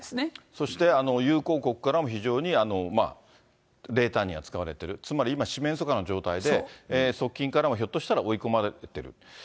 そして友好国からも非常に冷淡に扱われている、つまり今、四面楚歌の状態で、側近からもひょっとしたら追い込まれてる。